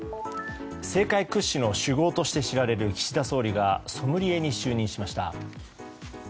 政界屈指の酒豪として知られる岸田総理がソムリエに就任しました。